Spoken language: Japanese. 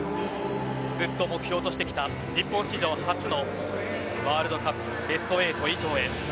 ずっと目標としてきた日本史上初のワールドカップベスト８以上へ。